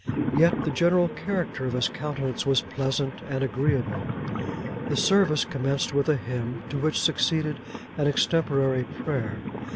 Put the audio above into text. Yet the general character of his countenance was pleasant and agreeable. The service commenced with a hymn, to which succeeded an extemporary prayer.